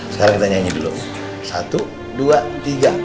sekarang kita nyanyi dulu satu dua tiga